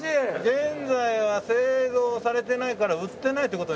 現在は製造されてないから売ってないって事になるのかな？